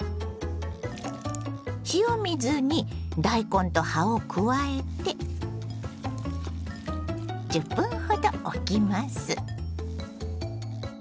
塩水に大根と葉を加えて１０分ほどおきます。